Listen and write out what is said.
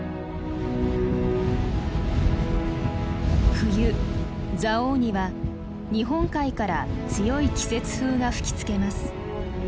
冬蔵王には日本海から強い季節風が吹きつけます。